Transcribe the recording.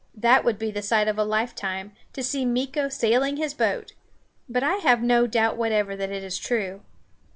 That would be the sight of a lifetime, to see Meeko sailing his boat; but I have no doubt whatever that it is true.